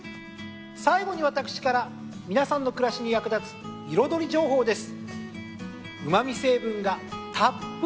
最後に私から皆さんの暮らしに役立つ彩り情報です。